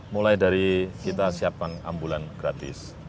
mulai dari kita siapkan ambulan gratis